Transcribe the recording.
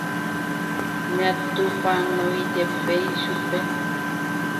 natupãnoijepéi chupe